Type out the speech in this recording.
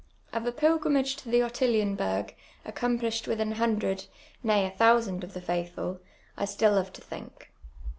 Of a pil«;rimajje to the ()ttilienber«r, accomplished with an Innidred, nay, a tliousand of the faithful, I still love to thijik.